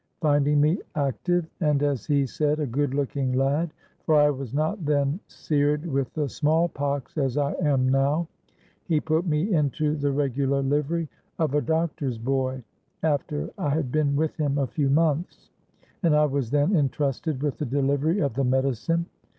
Finding me active and, as he said, a good looking lad—for I was not then seared with the small pox as I am now—he put me into the regular livery of a doctor's boy after I had been with him a few months; and I was then entrusted with the delivery of the medicine.